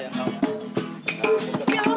melintar kohong merancuni